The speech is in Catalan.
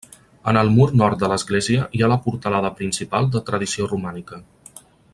En el mur nord de l'església hi ha la portalada principal de tradició romànica.